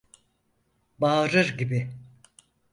Bağırır gibi: